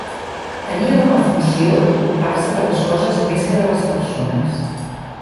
Tenia com a funció ocupar-se de les coses més que de les persones.